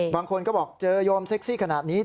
บางคนก็บอกเจอโยมเซ็กซี่ขนาดนี้